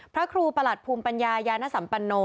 พระครูประหลัดภูมิปัญญายานสัมปโน